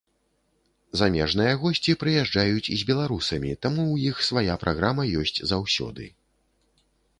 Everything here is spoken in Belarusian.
Замежныя госці прыязджаюць з беларусамі, таму ў іх свая праграма ёсць заўсёды.